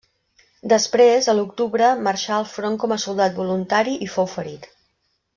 Després, a l'octubre marxà al front com a soldat voluntari i fou ferit.